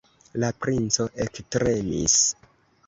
La princo ektremis.